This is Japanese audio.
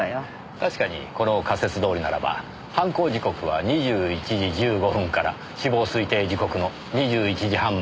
確かにこの仮説どおりならば犯行時刻は２１時１５分から死亡推定時刻の２１時半までの１５分です。